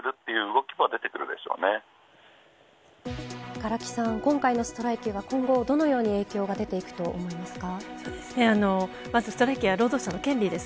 唐木さん、今回のストライキが今後どのように影響が出てくると思いますか。